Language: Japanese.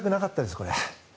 これ。